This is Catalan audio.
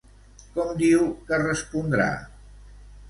Com diu que respondrà?